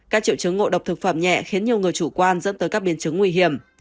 các triệu chứng ngộ độc thực phẩm nhẹ khiến nhiều người chủ quan dẫn tới các biến chứng nguy hiểm